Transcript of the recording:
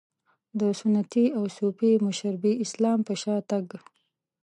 د سنتي او صوفي مشربي اسلام په شا تګ.